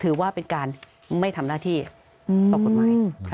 ถือว่าเป็นการไม่ทำหน้าที่เป็นอมความโดยผู้ไจ้